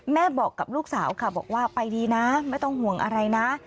บอกกับลูกสาวค่ะบอกว่าไปดีนะไม่ต้องห่วงอะไรนะ